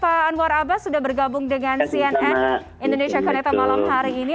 baik terima kasih pak anwar abbas sudah bergabung dengan cnn indonesia konektor malam hari ini